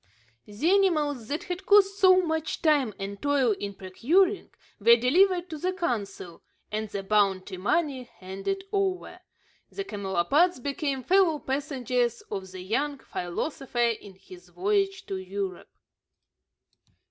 The animals that had cost so much time and toil in procuring were delivered to the consul, and the bounty money handed over. The camelopards became fellow passengers of the young philosopher in his voyage to Europe.